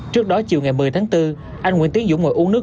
trước đó chiều ngày một mươi tháng bốn anh nguyễn tiến dũng ngồi uống nước